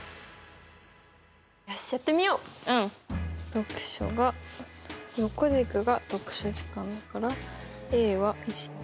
読書が横軸が読書時間だからａは３。